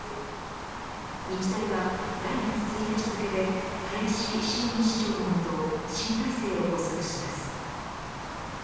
日大は来月１日付で林新理事長のもと新体制を発足します。